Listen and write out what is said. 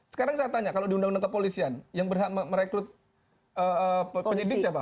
sekarang saya tanya kalau di undang undang kepolisian yang berhak merekrut penyidik siapa